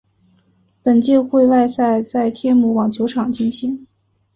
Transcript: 本届会外赛在天母网球场进行。